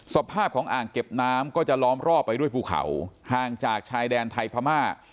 สภาพของอ่างเก็บน้ำก็จะล้อมรอบไปด้วยภูเขาห่างจากชายแดนไทยพม่า